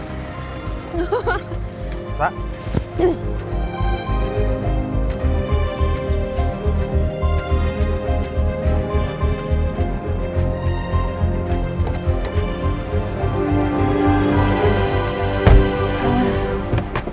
kenapa jadi kamu yang bukain